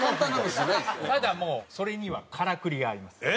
ただもうそれにはからくりがあります。